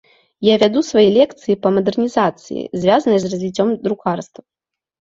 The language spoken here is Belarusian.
Я вяду свае лекцыі па мадэрнізацыі, звязанай з развіццём друкарства.